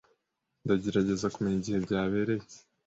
Ndagerageza kumenya igihe byabereye.